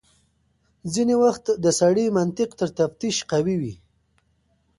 خو ځینې وختونه د سړي منطق تر تفتيش قوي وي.